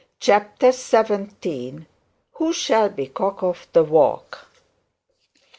CHAPTER XVII WHO SHALL BE COCK OF THE WALK?